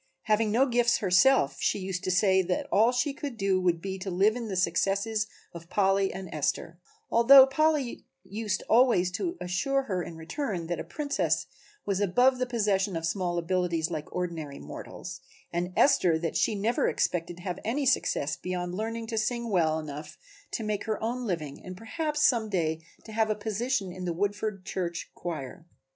Having no gifts herself she used to say that all she could do would be to live in the successes of Polly and Esther; although Polly used always to assure her in return that a Princess was above the possession of small abilities like ordinary mortals, and Esther that she never expected to have any success beyond learning to sing well enough to make her own living and perhaps some day to have a position in a Woodford church choir.